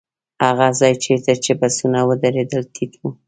هغه ځای چېرته چې بسونه ودرېدل ټيټ و.